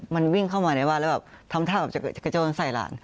มันวิ่งเข้ามาในบ้านแล้วแบบทำท่าแบบจะกระโจนใส่หลาน